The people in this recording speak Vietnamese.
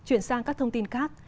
chuyển sang các thông tin khác